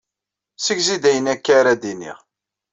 Segzi-d ayen akka ara d-iniɣ.